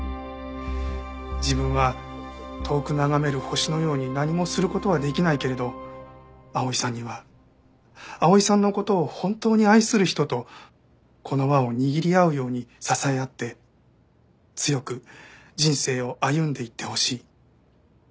自分は遠く眺める星のように何もする事はできないけれど碧さんには碧さんの事を本当に愛する人とこの輪を握り合うように支え合って強く人生を歩んでいってほしい。